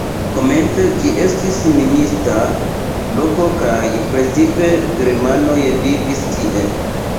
Komence ĝi estis minista loko kaj precipe germanoj vivis tie.